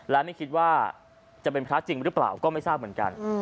และไม่คิดว่าจะเป็นพระจริงหรือเปล่าก็ไม่ทราบเหมือนกัน